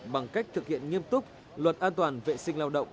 bằng cách thực hiện nghiêm túc luật an toàn vệ sinh lao động